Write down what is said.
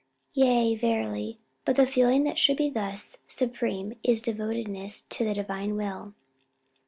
"Yea, verily; but the feeling that should be thus supreme is devotedness to the Divine Will."